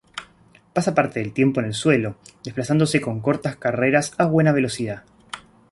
Pasa parte del tiempo en el suelo, desplazándose con cortas carreras a buena velocidad.